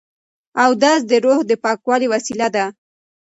اودس د روح د پاکوالي وسیله ده.